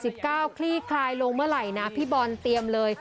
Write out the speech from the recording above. เก้าคลี่คลายลงเมื่อไหร่นะพี่บอลเตรียมเลย